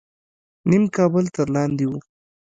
نیم کابل تر لاندې و.